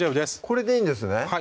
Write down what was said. これでいいんですね